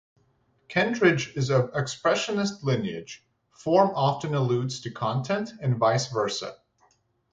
Kentridge is of expressionist lineage: form often alludes to content and "vice versa".